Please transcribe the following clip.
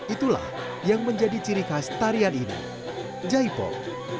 itulah yang menjadi ciri khas tarian ini jaipong